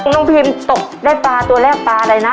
พี่พิมตกได้ปลาตัวแรกปลาอะไรนะ